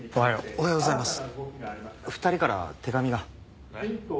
おはようございます。